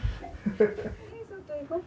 外行こうか。